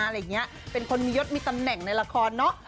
และรู้อยู่ในละครเนี่ย